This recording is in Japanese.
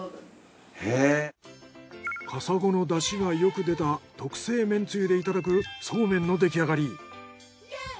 カサゴのだしがよく出た特製めんつゆでいただくそうめんの出来上がり。